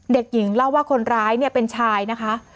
เด็กหญิงเล่าว่าคนร้ายเนี่ยเป็นชายนะคะ